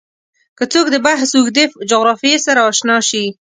که څوک د بحث اوږدې جغرافیې سره اشنا شي